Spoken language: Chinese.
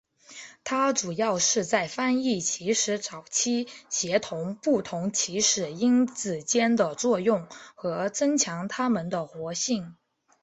它主要是在翻译起始早期协同不同起始因子间的作用和增强它们的活性。